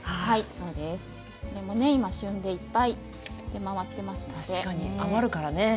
今、旬でいっぱい出回っていますので。